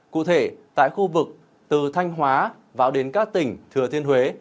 cụ thể tại khu vực từ thanh hóa vào đến các tỉnh thừa thiên huế